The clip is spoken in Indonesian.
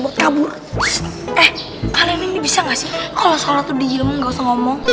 buat kabur eh kalian ini bisa enggak sih kalau sholat itu diam gak usah ngomong